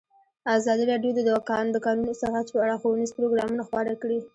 ازادي راډیو د د کانونو استخراج په اړه ښوونیز پروګرامونه خپاره کړي.